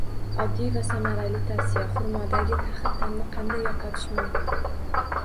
Oddiy va samarali tavsiya: xurmodagi taxir ta’mni qanday yo‘qotish mumkin?